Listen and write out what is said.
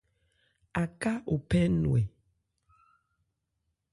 Aká ophɛ́ nnwɛ.